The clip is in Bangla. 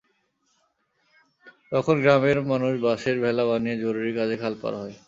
তখন গ্রামের মানুষ বাঁশের ভেলা বানিয়ে জরুরি কাজে খাল পার হয়।